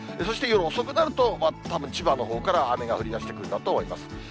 そして夜遅くなると、たぶん千葉のほうから雨が降りだしてくるんだと思います。